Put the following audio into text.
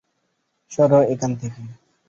সরো এখান থেকে।